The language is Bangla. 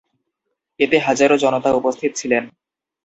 এতে হাজারো জনতা উপস্থিত ছিলেন।